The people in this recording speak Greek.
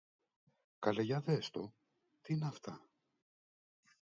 Καλέ για δες το! Τι είναι αυτά!